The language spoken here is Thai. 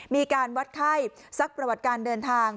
มีการวัดไข้ซักประวัติการเดินทาง